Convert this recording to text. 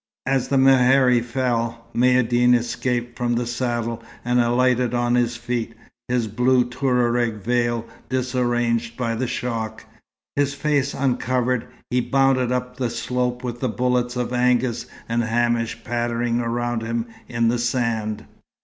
As the mehari fell, Maïeddine escaped from the saddle and alighted on his feet, his blue Touareg veil disarranged by the shock. His face uncovered, he bounded up the slope with the bullets of Angus and Hamish pattering around him in the sand.